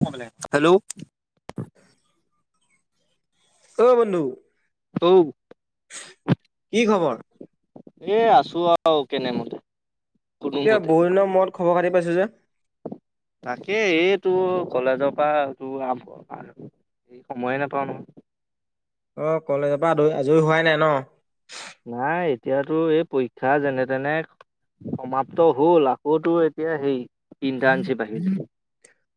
মই মানে হেল্ল' অ বন্ধু। [unintelligible] কি খবৰ? এ আছো আৰু কেনে মতে। [unintelligible] বহুতদিনৰ মূৰত খবৰ খাতি পাইছো যে। তাকেই এই তোৰ কলেজৰ পৰা তোৰ [unintelligible] আৰ- এই সময়ে নাপাওঁ নহয়। অ', কলেজৰ পৰা [unintelligible] আজৰি হোৱাই নাই ন! নাই, এতিয়াতো এই পৰীক্ষা যেনে তেনে সমাপ্ত হল আকৌতো এতিয়া সেই ইণ্টাৰশিপ আহি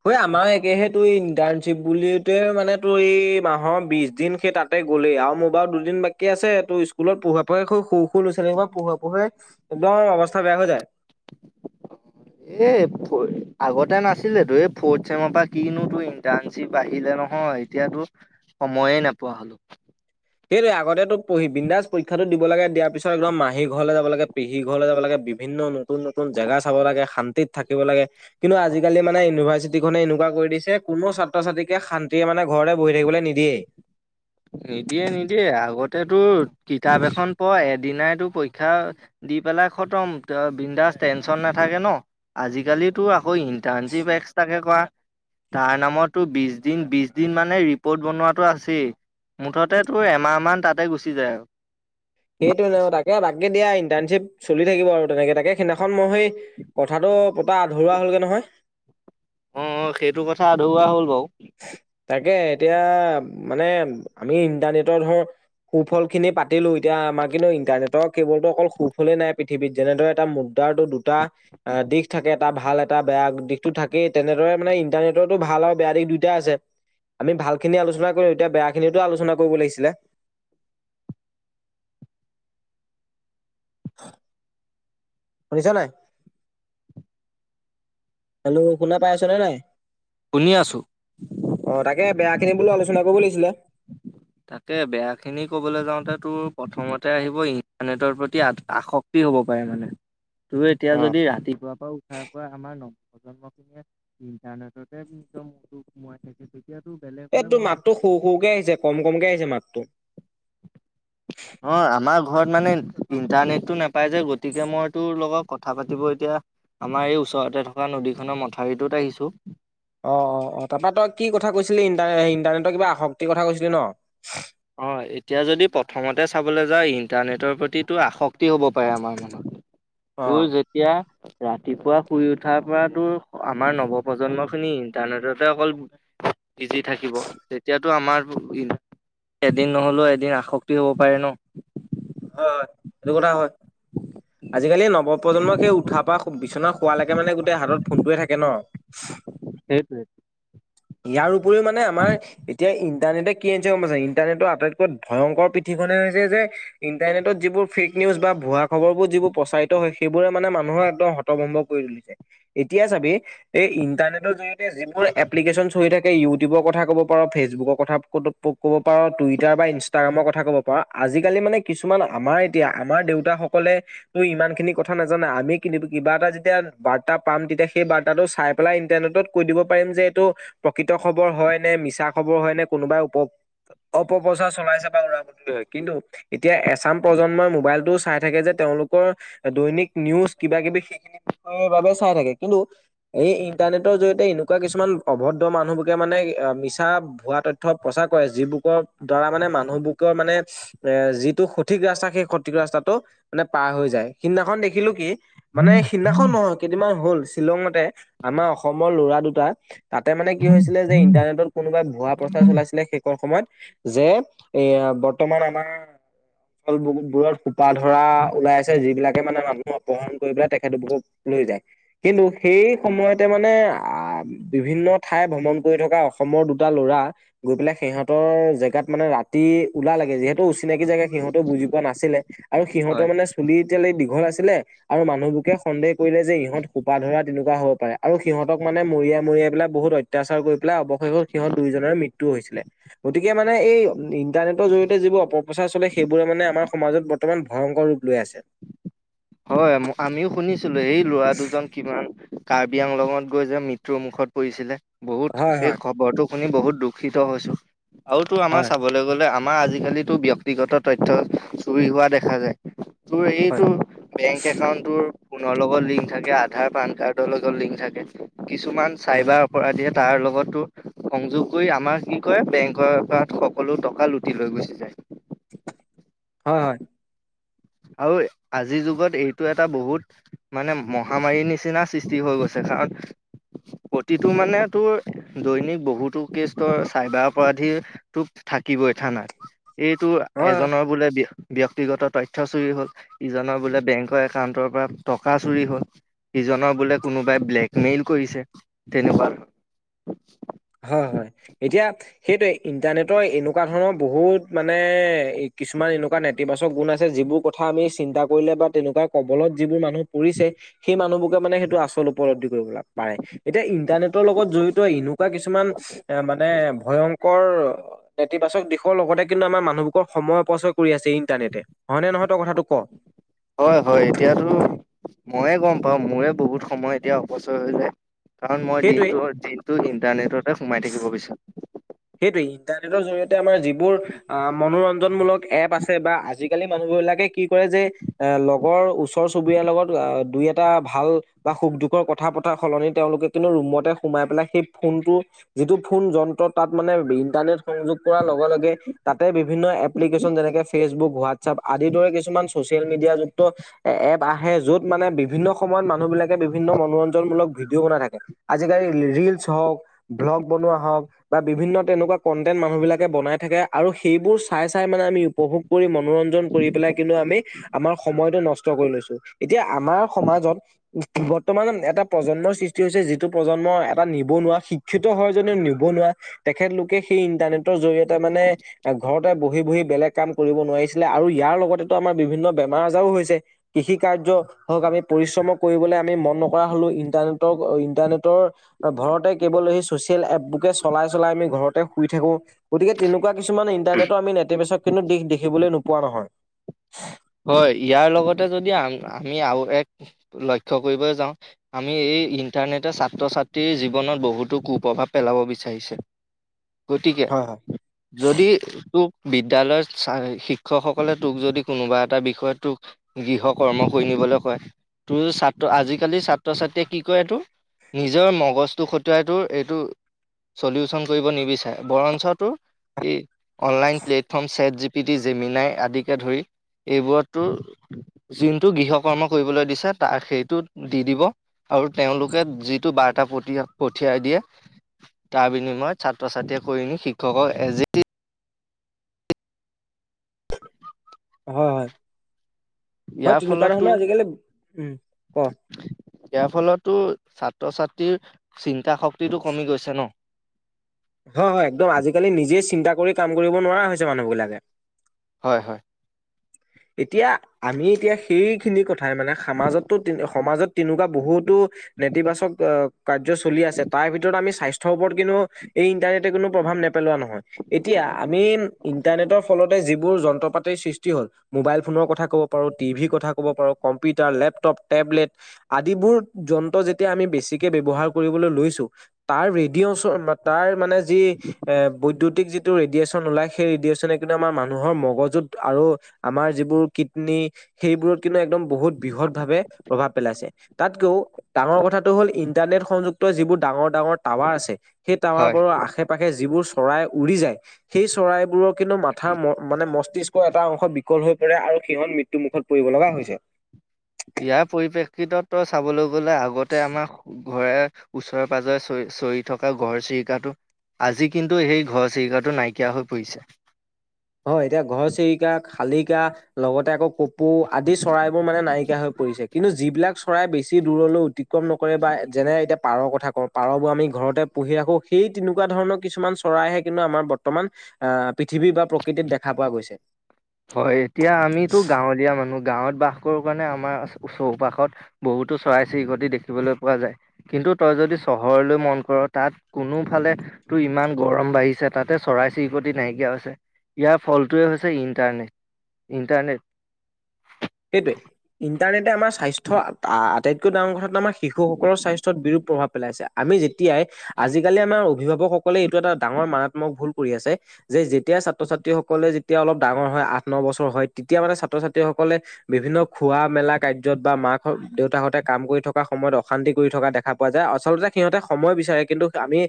হৈ আমাৰ একে সে তোইন। ইণ্টাৰ্ণশ্বিপ বুলিতে মানে তোৰ এই মাহৰ বিশ দিন সেই তাতে গ'লেই আৰু মোৰ বাৰু দুদিন বাকী আছে। পিছে টোৰ স্কুলত পঢ়োৱা পঢ়োৱাই সৰু লৰা ছোৱালী বা পঢ়োৱা পঢ়ে একদম অৱস্থা বেয়া হৈ যায় অ'। এ আগতে ফ'ৰ নাছিলে তো এই ফৰ্থ চেমৰ পৰা কিনো তোৰ ইণ্টাৰ্ণশ্বিপ আহিলে নহয়। অ', এতিয়াতো সময়ে নেপোৱা হ'লো। কেলেই আগতে তো পঢ়ি বিন্দাছ পৰীক্ষাটো দি- লাগে দিয়াৰ পিছত একদম মাহী ঘৰলৈ যাব লাগে পেহী ঘৰলৈ যাব লাগে বিভিন্ন নতুন নতুন জেগা চাব লাগে শানি- [unintelligible] থাকিব লাগে কিন্তু আজিকালি মানে ইউনিভাৰ্চিটি খনে এনেকুৱা কৰি দিছে কোনো ছাত্ৰ ছাত্ৰীকে শান্তিয়ে মানে। [unintelligible] ঘৰলে বহি থাকিবলৈ নিদিয়ে। নিদিয়ে, নিদিয়ে আগতে টো কিতাপ এখন পঢ় এদিনা- টো পৰীক্ষা দি পেলাই খতম [unintelligible] বিন্দাচ টেনচন নাথাকে ন। আজিকালি তোৰ আকৌ ইণ্টাৰ্ণশ্বিপ এক্সট্ৰাকে কৰা। তাৰ নামতটো বিশ দিন, বিশ দিন মানে ৰিপৰ্ট বনোৱাটো আছেই। মুঠতে তোৰ এমাহমান তাতে গুচি যায় আৰু। সেইটোৱেটো তাকে, তাকে দিয়া ইণ্টাৰ্ণশ্বিপ চলি থাকিব আৰু তেনেকে তাকে সেইদিনাখন মই। [unintelligible] কথাটো পতা আধৰুৱা- হ'লগে নহয়। অ সেইটো কথা আধৰুৱা হ'ল বাৰু তাকে, এতিয়া। মানে আমি ইন্টাৰনেটৰ ধৰ সুফল খিনি পাতিলো [unintelligible] এতিয়া আমাৰ কিন্তু ইন্টাৰনেটৰ কেৱলতো অকল সুফলেই নাই, পৃথিৱীত যেনেদৰে এটা মুদ্ৰাৰ টো দুটা। দিশ থাকে এটা ভাল, এটা বেয়া দিশতটো থাকেই। তেনেদৰে মানে ইণ্টাৰনেটো ভাল আৰু বেয়া দিশ দুয়োটাই আছে। আমি ভাল খিনি আলোচনা কৰি-, এতিয়া বেয়া খিনিতো আলোচনা কৰিব লাগিছিলে। [inaudible] [unintelligible] শুনিছ নাই? হেল্ল' শুনা পাই আছ নে নাই। শুনি আছো। সেইখিনি বোলো আলোচনা কৰিব লাগিছিলে। তাকে বেয়া খিনি কবলৈ যাওঁতে, তোৰ প্ৰথমতে আহিব ইন্টাৰনেটৰ প্ৰতি [unintelligible] আসক্তি। কি হ'ব পাৰে মানে? তোৰ এতিয়া অ। যদি ৰাতিপুৱা পৰা উঠাৰ পৰা আমাৰ। [unintelligible] প্ৰজন্ম খিনিয়ে ইণ্টাৰনেটতে নিজৰ মূৰতো সোমাই থা-। [unintelligible] এই তোৰ মাতটো সৰো, সৰো কে আহিছে কমক। [unintelligible] কমকে আহিছে মাতটো। [unintelligible] অ আমাৰ ঘৰত মানে ইণ্টাৰনেটটো নাপাই যে, গতিকে মই তোৰ লগত কথা পাতিব এতিয়া। আমাৰ, এই ওচৰতে থকা নদীখনৰ মথাউৰিটোত আহিছো। অ, অ, অ, তাৰপৰা তই কি কথা কৈছিলি ইটাৰ ইণ্টাৰনেটৰ কিবা আসক্তিৰ কথা কৈছিলি ন। অ, এতিয়া যদি প্ৰথমতে চাবলৈ যাওঁ। ইণ্টাৰনেটৰ প্ৰতিটো আসক্তি হ'ব পাৰে আমাৰ মনত। অ। তোৰ যেতিয়া। ৰাতিপুৱা শুই উঠাৰ পৰা, তো আমাৰ নৱপ্ৰজন্ম খিনি ইণ্টাৰনেটতে অকল [unintelligible] ইজি থাকিব। তেতিয়াতো আমাৰ ই- [unintelligible] এদিন নহলেও, এদিন আসক্তি হ'ব পাৰে ন। হয়, হয়। এইটো কথা হয়। আজিকালি, নৱপ্ৰন্মক সেই উঠাৰ পৰা বিচনাত শোৱালৈকে মানে গোটেই হাতত ফোনটোৱে থাকে ন। সেইটোৱে ইয়াৰ উপৰিও মানে আমাৰ এতিয়া ইট পাৰনেটৰ আটাইতকৈ ভয়ংকৰ পিঠখনে হৈছে যে ইটাৰনেটত যোৰ ফেক বা ভুৱা খবৰবোৰ যোৰ প্ৰচাৰিত হয় সেইবোৰে মানে মানুহৰ একম হতভম্ব কৰি তুলিছে এতিয়া বি এই ইণ্টাৰনেটৰ জৰিয়তে যিবোৰ এপ এপ্লিকেশ্যন চ হৈ থাকে ইউটিউবৰ কথা ক'ব পাৰোঁ ফেচবুকৰ ক'ব পাৰঁ টইটাৰ বা ইনষ্টটাগ্ৰামৰ কথা কথা ক'ব পাৰ। আজিকালি মানে কিছুমান, আমাৰ এতিয়া আমাৰ দেউতাসকলে তো ইমান খিনি কথা নাজান। আমি কিবা এটা যেতিয়া বাৰ্তা পাম। তেতিয়া, সেই বাৰ্তাটো চাই পেলাই ইন্টাৰনেটত কৈ দিব পাৰিম যে। প্ৰকৃত খবৰ হয় নে? মিছা খবৰ হয় নে? কোনোবাই [unintelligible] অপপ্ৰচাৰ চলাইছে বা। [unintelligible] কিন্তু, এতিয়া এছাম প্ৰজন্মই মোবাইলটোও চাই থাকে যে, তেওঁলোকৰ দৈনিক। নিউজ কিবা, কিবি সেইখিনি বিষয়ৰ বাবে চাই থাকে। কিন্তু, এই ইণ্টাৰনেটৰ জৰিয়তে এনেকুৱা কিছুমান। অভদ্ৰ মানুহবোকে মানে অ', মিছা ভুৱা তথ্য প্ৰচাৰ কৰে, যিবোৰ দ্বাৰা মানে মানুহবোকৰ মানে এ, যিটো সঠিক ৰাস্তা সেই সঠিক ৰাস্তাটো মানে পাৰ হৈ যায়, সিদিনাখন দেখিলোঁ কি মানে সিদিনাখন নহয় কেইদিনমান হ'ল শ্বিলঙতে, আমাৰ অসমৰ ল'ৰা দুটা তাতে মানে কি হৈছিলে যে, ইণ্টাৰনেটত কোনোবাই ভুৱা প্ৰচাৰ চলাইছিলে সেইকন সময়ত যে, এই বৰ্তমান আমাৰ ফল [inaudible] সোপা ধৰা ওলাইছে যিবিলাক মানে মানুহ অপহৰণ কৰি পেলাই তেখেত বোকক লৈ যায়, কিন্তু সেই সময়তে মানে আ বিভিন্ন ঠাই ভ্ৰমণ কৰি থকা অসমৰ দুটা ল'ৰা গৈ পেলাই সিহঁতৰ জেগাত মানে ৰাতি ওলালেগে যিহেতু অচিনাকি জেগা সিহঁতেয়ো বুজি পোৱা নাছিলে, আৰু সিহঁতৰ হয় মানে চুলি এতিয়ালৈ দীঘল আছি আছিলে আৰু মানুহবোকে সন্দেহ কৰিলে যে, ইহঁত সোপা ধৰা তেনেকুৱা হ'ব পাৰে। আৰু সিহঁতক মানে মৰিয়াই, মৰিয়াই পেলাই বহুত অত্যাচাৰ কৰি পেলাই অশেষত সিহঁত দুইজনৰে মৃত্যু হৈছিলে। গতিকে মানে এই ইণ্টাৰনেটৰ জৰিয়তে যিবোৰ অপপ্ৰচাৰ চলে, সেইবোৰে মানে আমাৰ সমাজত বৰ্তমান ভয়ং কৰ ৰূপ লৈ আছে। হয়, আমিও শুনিছিলোঁ, এই ল'ৰা দুজন কিমান কাৰ্বি আংলংত গৈ যে, মৃত্যুৰ মুখত পৰিছিলে বহুত হয় সেই হয় খবৰটো শুনি বহুত দুখিত হৈছোঁ, আৰু তোৰ আমাৰ হয় চাবলৈ গ'লে আ আমাৰ আজিকালিতো ব্যক্তিগত তথ্য চুৰি হোৱা দেখা যায়, তোৰ হয় এইটো বেংক একাউণ্ট তোৰ ফোনৰ লগত লিংক থাকে, আধাৰ, পান কাৰ্ডৰ লগত লিংক থাকে। কিছুমান হয় চাইবাৰ অপৰাধীয়ে তাৰলগত‌ তোৰ সংযোগ কৰি আমাৰ কি কয় বেংকৰ পৰা সকলো টকা লুটি লৈ গুচি যায়। হয়, হয়। আৰু আজিৰ যুগত এইটো এটা বহুত মানে মহামাৰীৰ নিচিনা সৃষ্টি হৈ গৈছে। কাৰ [unintelligible] প্ৰতিটো মানে তোৰ দৈনিক বহুতো কেষ্ট চাইবাৰ অপৰাধী ত থাক থাকিবই থানাত এইটো হয় এজনৰ বোলে ব্যক্তিগত তথ পইছা চুৰি হ'ল ইজনৰ বোলে বেংকৰ একাউণ্টৰ পৰা টকা চুৰি হ'ল, ইজনৰ বোলে কোনোবাই ব্লেকমেইল কৰিছে তেনেকুৱা। হয়-হয় এতিয়া সেইটো ইণ্টাৰনেটৰ এনেকুৱা ধৰণৰ বহুত মানে কিছুমান এনেকুৱা নেতিবাচক গুণ আছে যিবোৰ কথা আমি চিন্তা কৰিলে বা তেনেকুৱা কবলত যিবোৰ মানুহ পৰিছে। সেই মানুহবুে মানে সেইটো আচল ওপৰত দি প এতিয়া ইণ্টাৰনেটৰ লগত জড়িত এনেকুৱা কিছুমান এ মানে ভয়ংকৰ নেতিবাচক দিশৰ লগতে কিন্তু আমাৰ মানুহবোৰৰ সময় অপচয় কৰি আছে ইণ্টাৰনেটে। হয়নে নহয় তই কথাটো ক? হয়-হয় এতিয়াতো মইয়ে গম পাওঁ মোৰে বহুত সময় এতিয়া অপচয় হৈ যায়। কাৰণ মই সেইটোৱে দিনটো - দিনটো ইন্টাৰনেটতে সোমাই থাকিব বিচছাৰো। সেইটোৱে ইণ্টাৰনেটৰ [unintelligible] আমাৰ যিবোৰ আ মনোৰঞ্জনমূলক এপ আছে। আজিকালি মানুহ বিলাকে কি কৰে যে- লগৰ ওচৰ চুবুৰীয়া লগত [unintelligible] দুই এটা। এটা ভাল বা সুখ- দুখৰ কথা পতাৰ সলনি। তেওঁলোকে কিন্তু ৰুমতে সোমাই পেলাই সেই ফোনটো। যিটো, ফোন যন্ত্ৰত। তাত মানে ইন্টাৰনেট সংযোগ কৰাৰ লগে লগে, তাতে বিভিন্ন এপ্লিকেশচন যেনেকে ফেচবুক হোৱা- [unintelligible] আদি দৰে কিছুমান। চচিয়েল মিডিয়া যুক্ত এপ আহে। য'ত মানে, বিভিন্ন সময়ত মানুহ বিলাকে বিভিন্ন মনোৰঞ্জনমূলক। ভিডিঅ' বনাই থাকে। আজিকালি ৰিলচ হওক, ভ্লগ বনোৱা হওক। বা বিভিন্ন তেনেকুৱা কণ্টেন্ট মানুহ বিলাকে বনাই থাকে আৰু সেইবোৰ চাই - চাই মানে আমি উপভোগ কৰি মনোৰঞ্জন কৰি পেলাই কিন্তু আমি আমাৰ সময়টো নষ্ট কৰি লৈছো এতিয়া আমাৰ সমাজত বৰ্তমান এটা প্ৰজন্মৰ সৃষ্টি হৈছে যিটো প্ৰজন্ম এটা নিবনুৱা শিক্ষিত হয় যদিও নিবনুৱা তেখেতলোকে সেই ইন্টাৰনেটৰ জৰিয়তে মানে ঘৰতে বহি - বহি বেলেগ কাম কৰিব নোৱাৰিছিলে আৰু ইয়াৰ লগতেতো আমাৰ বিভিন্ন বেমাৰ আজাৰো হৈছে কৃষি কাৰ্য হওঁক আমি পৰিশ্ৰম কৰিবলৈ আমি মন নকৰা হ'লো ইণ্টাৰনেটো ইণ্টাৰনেটৰ ভৰতে কেৱল সচিয়েল এপ বুকছ চলাই-চলাই আমি ঘৰতে শুই থাকো গতিকে তেনেকুৱা কিছুমান ইণ্টাৰনেটো আমি নেতেবেচক কিন্তু দিশ দেখিবলৈ নো পোৱা নহয়। [inaudible] হয়, ইয়াৰ লগতে যদি আ- আমি আৰু এক লক্ষ্য কৰিব যাওঁ। আমি এই- ইণ্টাৰনেটে, ছাত্ৰ -ছাত্ৰীৰ জীৱনত বহুতো কুপ্ৰভাৱ পেলাব বিচাৰিছে। গতিকে, হয় হয়। যদি তোক। বিদ্যালয়ত [unintelligible] শিক্ষকসকলে তোক যদি কোনোবা। এটা বিষয় টোক গৃহ কৰ্ম কৰি নিবলৈ কয়। তোৰ, ছাত্ৰ আজিকালি ছাত্ৰ ছাত্ৰীয়ে কি কয় তোৰ। নিজৰ মগজটো খটুৱাইটো। এইটো- চলিউচন কৰিব নিবিচাৰে [unintelligible] বৰঞ্চটো। এই online platform chat G P T, Gemini আদিকে ধৰি। এইবোৰত টোৰ, যোনটো গৃহ কৰ্ম কৰিবলৈ দিছে। তাৰ সেইটো দি দিব আৰু- তেওঁলোকে যিটো বাৰ্তা পঠিয়াই দিয়ে। তাৰ বিনিময়ত ছাত্ৰ ছাত্ৰীয়ে কৰি নি শিক্ষকক এজ। [unintelligible] হয়, হয়, হয়। ইয়াৰ তেনেকুৱা ফলতো ধৰণৰ আজিকালি উম ক- ইয়াৰ ফলতটো ছাত্ৰ-ছাত্ৰীৰ চিন্তা শক্তিটো কমি গৈছে ন। হয়, হয় একদম। আজিকালি নিজেই চিন্তা কৰি কাম কৰিব নোৱাৰা হৈছে মানুহ বিলাকে। হয়, হয়। এতিয়া! আমি এতিয়া, সেইখিনি কথাই মানে সমাজতো সমাজত তেনেকুৱা বহুতো। নেতিবাচক কাৰ্য চলি আছে। তাৰ ভিতৰত আমি স্বাস্থ্যৰ ওপৰত, কিন্তু এই ইন্টাৰনেট। [unintelligible] কোনো প্ৰভাৱ নেপেলোৱা নহয়। এতিয়া আমি ইণ্টাৰনেটৰ ফলত- যিবোৰ যন্ত্ৰ পাতিৰ সৃষ্টি হ'ল। মোবাইল ফোনৰ কথা ক'ব পাৰোঁ। টিভিৰ কথা ক'ব পাৰোঁ, কম্পিউটাৰ, লেপটপ, টেবলেট আদিবোৰ। যন্ত্ৰ, আমি যেতিয়া বেছিকে ব্যৱহাৰ কৰিব লৈছো। তেতিয়া তাৰ [unintelligible] তাৰ মানে। যি এ বৈদ্যতিক যিটো- [unintelligible] ৰেডিয়েচন ওলাই। সেই ৰেডিয়েচনে, কিন্তু আমাৰ মানুহৰ মগজুত আৰু আমাৰ যিবোৰ কিডনী। সেইবোৰত, কিন্তু একদম বহুত বৃহৎ ভাৱে প্ৰভাৱ পেলাইছে। তাতকেও ডাঙৰ কথাটো হ'ল ইণ্টাৰনেট সংযুক্ত যিবোৰ ডাঙৰ [unintelligible] ডাঙৰ টাৱাৰ আছে। সেই টাৱাৰ হয় বোৰৰ আশে পাশে যিবোৰ চৰাই উৰি যায়। সেই চৰাইবোৰক - কিন্তু, মাথাাৰ মানে মস্তিষ্ক এটা অংশ বিকল হৈ পৰে আৰু সিহঁত মৃত্যুমুখত। ইয়াৰ পৰিপ্ৰেক্ষিতত চাবলৈ গ'লে আগতে আমাৰ। ঘৰে ওচৰে-পাঁজৰে চৰি থকা ঘৰ চিৰিকাটো। আজি কিন্তু সেই ঘৰ চিৰিকাটো নাইকিয়া হৈ পৰিছে। হয়, এতিয়া ঘৰ চিৰিকা, শালিকা লগতে আকৌ কপৌ। পু আদি চৰাইবোৰ মানে নাইকিয়া হৈ পৰিছে কিন্তু যিবিলাক চৰাই বেছি দূৰলৈ অতিক্ৰম নকৰে বা যেনে এতিয়া পাৰৰ কথা কওঁ পাৰবোৰ আমি ঘৰতে পুহি ো সেই তেনেকুৱা ধৰণৰ কিছুমান চৰাইে কিন্তু আমাৰ বৰ্তমান পৃথিৱীৰ বা প্ৰকৃতিত দেখা পোৱা গৈছে। হয় এতিয়া আমিতো গাঁৱলীয়া মানুহ গাঁৱত বাস কৰোঁ কাৰণে আমাৰ চৌপাশত বহুত টো চৰাই চিৰিকটি দেখিবলৈ পোৱা যায় কিন্তু তই যদি চহৰলৈ মন কৰ তাত কোনো ফালে টো ইমান গৰম বাঢ়িছে তাতে চৰাই চিৰিকতি নাইকিয়া হৈছে, ইয়াৰ ফলটোৱে হৈছে ই ইণ্টাৰনেট, ইণ্টাৰনেট সেইটোৱে ইণ্টাৰনেটে আমাৰ স্বাস্থ্যৰ আটাইতকৈ ডাঙৰ কথাটো আমাৰ শিশুসকলৰ স্বাস্থ্যত বিৰূপ প্ৰভাৱ পেলাইছে। আমি যেতিয়াই, আজিকালি আমাৰ অভিভাৱকসকলে এইটো এটা ডাঙৰ মাৰাত্মক ভুল কৰি আছে। যে, যেতিয়া ছাত্ৰ-ছাত্ৰী সকলে যেতিয়া অলপ ডাঙৰ হয়। আঠ ন বছৰ হয় তেতিয়া মানে ছাত্ৰ ছাত্ৰীসকলে- বিভিন্ন খোৱা মেলা কাৰ্যত বা মাক- দেউতাহঁতে কাম কৰি থকা সময়ত অশান্তি কৰি থকা দেখা পোৱা যায়। আচলতে সিহঁতে সময় বিচাৰে। কিন্তু আমি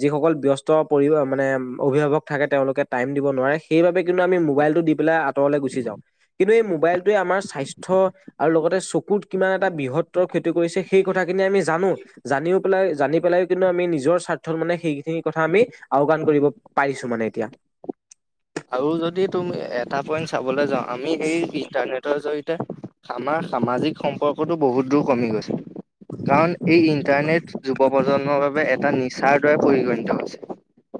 যিসকল ব্যস্ত পৰি মানে অভিভাৱক থাক- থাকে। তেওঁলোকে টাইম দিব নোৱাৰে, সেইবাবে কিন্তু আমি মোবাইলটো দি পেলাই। আতঁৰলৈ গুচি যাওঁ। কিন্তু এই মোবাইলটোৱে, আমাৰ স্বাস্থ আৰু লগতে চকুত কিমান - এটা বৃহত্তৰ ক্ষতি কৰিছে। সেই কথাখিনি আমি জানো। জানিও পেলাই জানি পেলাইও কিন্তু আমি নিজৰ স্বাৰ্থত মানে সেইখিনি কথা আমি। আওকান কৰিব পাৰিছো মানে এতিয়া। আৰু যদি তুমি এটা পইন্ট চাবলৈ যাওঁ আমি এই ইন্টাৰনেটৰ জৰি আমাৰ সামাজিক সম্পৰ্কটো বহুত দূৰ কমি গৈছে। কাৰণ এই ইন্টাৰনেট যুৱ প্ৰজন্মৰ বাবে এটা নিচাৰ দৰে পৰিগণিত হৈছে,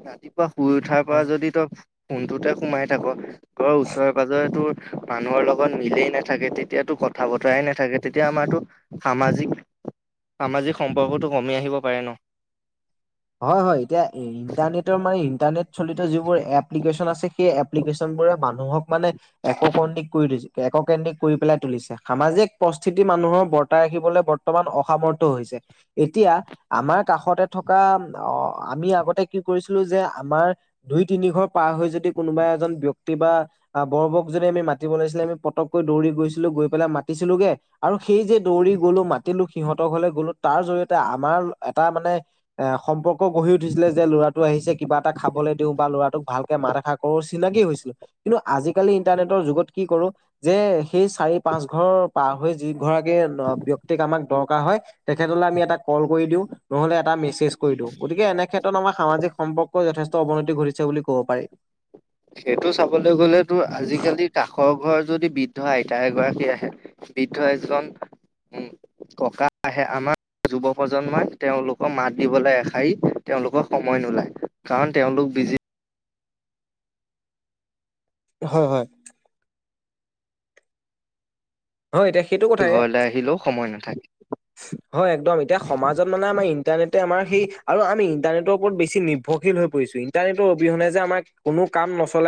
ৰাতিপুৱা শুই উঠাৰ পৰা যদি ত কোনটোতে সোমাই থাক ঘৰৰ ওচৰে পাজৰেতো মানুহৰ লগত মিলেই নাথাকে তেতিয়াতো কথা বতৰাই নাথাকে তেতিয়া আমাৰতো সামাজিক সামাজিক সম্পৰ্কটো কমি আহিব পাৰে ন। হয় হয় এতিয়া ইন্টাৰনেটৰ মানে ইন্টাৰনেট চলিত যিবোৰ এপ্লিকেশ্যন আছে সেই এপ্লিকেশ্যন বোৰে মানুহক মানে এককন্দ্ৰিক কৰি এককেন্দ্ৰিক কৰি পেলাই তুলিছে সা এক প্ৰস্থিতি মানুহৰ বৰ্তাই ৰাখিবলৈ বৰ্তমান অসমসামৰ্থ হৈছে এতিয়া আমাৰ কাষতে থকা অ' আমি আগতে কি কৰিছিলো যে আমাৰ দুই তিনি ঘৰ পাৰ হৈ যদি কোনোবা এজন ব্ক্তি বা বৰবক জনে আমি মাতি ব লাইছিলে আমি পতকৈ দৌৰি গৈছিলো গৈ পেলাই মাতিছিলো গে আৰু সেই যে দৌৰি গ'লো মাতিলো সিহঁতৰ ঘৰলে গ'লো তাৰ জৰিয়তে আমাৰ এটা মানে এ সম্পৰ্কঢহি উঠিছিলে যে ল'ৰাটো আহিছে কিবা এটা খাবলৈ দিওঁ বা ল'ৰাটোক ভালকে মাত দো চিনাকি হৈছিলো কিন্তু, আজি আজিকালি ইন্টাৰনেটৰ যুগত কি কৰো যে সেই চাৰি পাঁচ ঘৰ পাৰ হৈ যি বক্তিক আমাক দৰ হয় তেলে আমি এটা কল কৰি দিওঁ, নহলে এট কৰি দি গতিকে এনে ক্ষেত্ৰত আমাৰ সামাজিক সম্পৰ্ক যথেষ্ট অৱনতি ঘটিছে বুলি ক'ব পাৰি। সেইটো চাবলৈ গ'লে তো আজিকালি কাষৰ ঘৰ যদি বি বৃদ্ধ আইতা এগৰাকী আহে বৃদ্ধ এজন উম, ককা আহে আমাৰ যুৱ প্ৰজন্মক তেওঁলোকক মাত দিবলৈ এষাৰি তেওঁলোকৰ সময় নোলায়, কাৰণ তেওঁলোক বিজি। হয় হয়। হয় এতিয়া সেইটো কথাই ঘৰলৈ আহিলেও সময় নাথ হয় একদম এতিয়া সমাজত মানে আমাৰ ইন্টাৰনেটে আমাৰ সেই আৰু আমি ইণ্টাৰনেটৰ ওপৰত বেছি নিৰ্ভৰশল হৈ পৰিছো ইণ্টাৰনেটৰ অবিহনে যে আমাৰ কোনো কাম নচলোই।